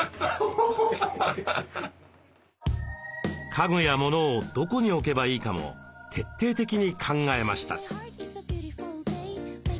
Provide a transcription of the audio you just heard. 家具やモノをどこに置けばいいかも徹底的に考えました。